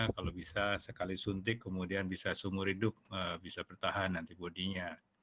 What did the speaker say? kalau bisa sekali suntik kemudian bisa seumur hidup bisa bertahan antibody nya